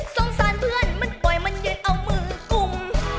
สงสารเพื่อนมันปล่อยมันเย็นเอามือกลุ่ม